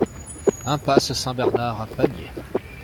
Impasse Saint-Bernard à Pamiers